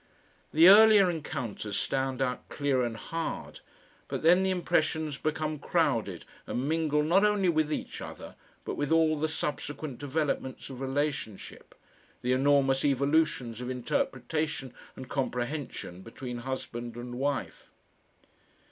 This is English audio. The earlier encounters stand out clear and hard, but then the impressions become crowded and mingle not only with each other but with all the subsequent developments of relationship, the enormous evolutions of interpretation and comprehension between husband and wife.